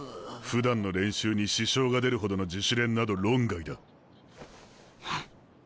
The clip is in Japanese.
ふだんの練習に支障が出るほどの自主練など論外だ。